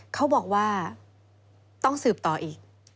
เขาบอกว่าต้องสืบต่ออีก